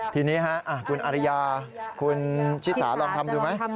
ทีนี้คุณอริยาคุณชิสาลองทำดูไหม